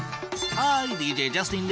ハイジャスティン！